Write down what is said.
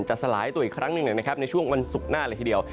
จะสลายตัวอีกครั้งนึงตรงวาลังวันศุกร์หน้าทีเดียว